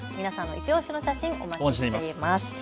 いちオシの写真お待ちしています。